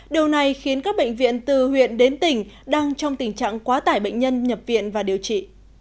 điều này khiến các bệnh viện từ huyện đến tỉnh đang trong tình trạng quá tải bệnh nhân nhập viện và điều trị